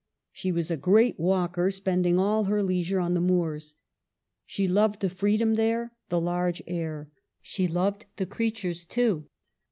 She was a great walker, spending all her leisure on the moors. She loved the freedom there, the large air. She loved the creatures, too.